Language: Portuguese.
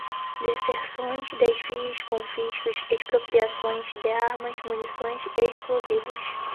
Deserções, Desvios, Confiscos, Expropriações de Armas, Munições e Explosivos